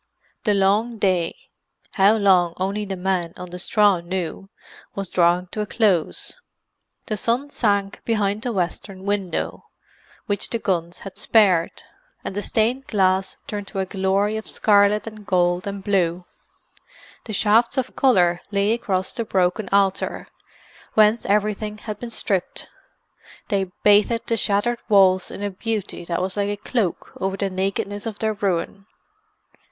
The long day—how long only the men on the straw knew—was drawing to a close. The sun sank behind the western window, which the guns had spared; and the stained glass turned to a glory of scarlet and gold and blue. The shafts of colour lay across the broken altar, whence everything had been stripped; they bathed the shattered walls in a beauty that was like a cloak over the nakedness of their ruin.